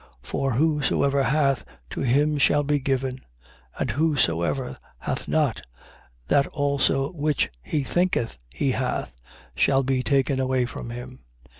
For whosoever hath, to him shall be given: and whosoever hath not, that also which he thinketh he hath shall be taken away from him.